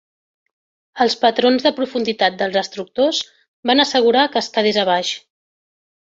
Els patrons de profunditat dels destructors van assegurar que es quedés a baix.